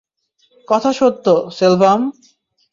কথা সত্য, সেলভাম।